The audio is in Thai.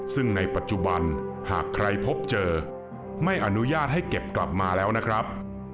ซึ่งในปัจจุบันหากใครพบเจอไม่อนุญาตให้เก็บกลับมาแล้วนะครับ